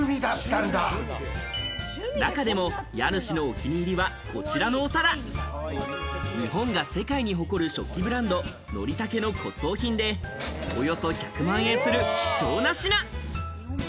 中でも家主のお気に入りは、こちらのお皿、日本が世界に誇る食器ブランド・ノリタケの骨董品でおよそ１００万円する貴重な品。